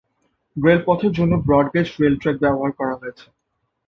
রেলপথের জন্য broad gauge rail track ব্যবহার হয়েছে।